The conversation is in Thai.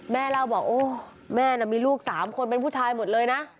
แม่เล่าบอกโอ้วแม่นำมีลูกสามคนเพิ่งผู้ชายหมดเลยนะ